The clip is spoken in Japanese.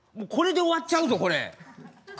これで終わっちゃうぞこれ。